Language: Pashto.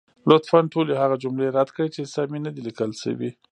لطفا ټولې هغه جملې رد کړئ، چې سمې نه دي لیکل شوې.